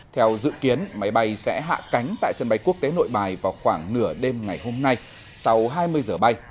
theo dự kiến máy bay sẽ hạ cánh tại sân bay quốc tế nội bài vào khoảng nửa đêm ngày hôm nay sau hai mươi giờ bay